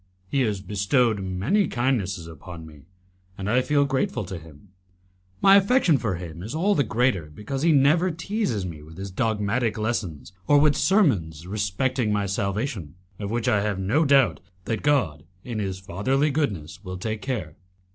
He has bestowed many kindnesses upon me, and I feel grateful to him; my affection for him is all the greater because he never teases me with his dogmatic lessons or with sermons respecting my salvation, of which I have no doubt that God, in His fatherly goodness, will take care.